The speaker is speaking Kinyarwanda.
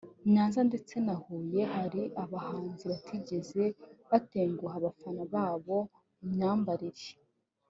Nyanza ndetse na Huye hari abahanzi batigeze batenguha abafana babo mu myambarire